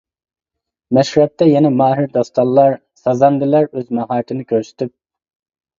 مەشرەپتە يەنە ماھىر داستانلار، سازەندىلەر ئۆز ماھارىتىنى كۆرسىتىپ.